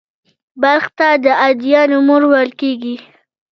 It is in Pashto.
بلخ ته «د ادیانو مور» ویل کېږي